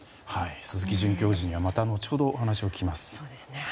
鈴木准教授にはまた後程、お話を聞きます。